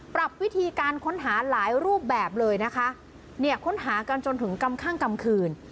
ปรับวิธีการค้นหาหลายรูปแบบเลยนะคะเนี่ยค้นหากันจนถึงกำข้างกลางคืน